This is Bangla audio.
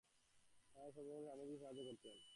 তাঁহারাও সর্বতোভাবে স্বামীজীকে সাহায্য করিতেন।